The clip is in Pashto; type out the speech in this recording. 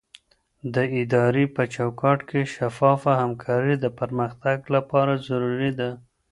د ادارې په چوکاټ کې شفافه همکاري د پرمختګ لپاره ضروري ده.